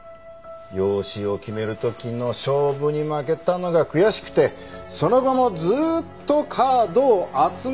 養子を決める時の勝負に負けたのが悔しくてその後もずっとカードを集め続けたんでしょう。